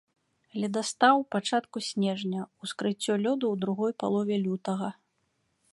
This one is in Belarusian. Ледастаў у пачатку снежня, ускрыццё лёду ў другой палове лютага.